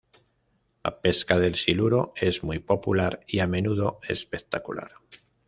La pesca del siluro es muy popular y a menudo espectacular.